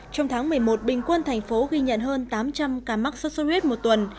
trong tháng một mươi một bình quân thành phố ghi nhận hơn tám trăm linh ca mắc sốt xuất huyết một tuần